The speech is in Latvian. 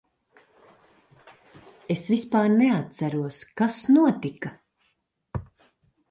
Es vispār neatceros, kas notika.